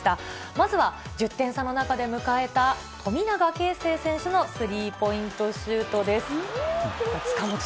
まずは、１０点差の中で迎えた富永啓生選手のスリーポイントシュートです。